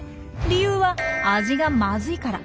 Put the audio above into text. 理由は「味がマズい」から。